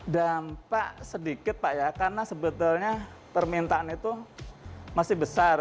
dampak sedikit pak ya karena sebetulnya permintaan itu masih besar